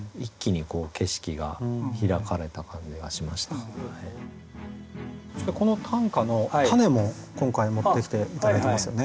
これ割と全部この短歌のたねも今回持ってきて頂いてますよね。